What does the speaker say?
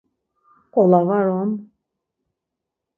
Nǩola var on.